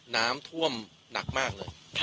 น้ำท่วมหนักมากเลย